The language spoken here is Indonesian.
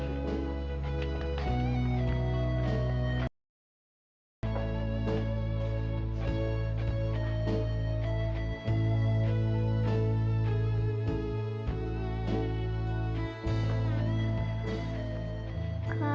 kak ibu gak apa apakan kak